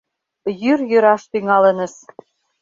— Йӱр йӱраш тӱҥалыныс.